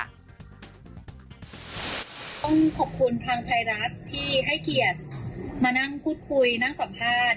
ต้องขอบคุณทางไทยรัฐที่ให้เกียรติมานั่งพูดคุยนั่งสัมภาษณ์